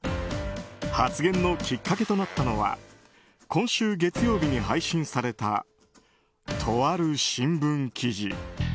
発言のきっかけとなったのは今週月曜日に配信されたとある新聞記事。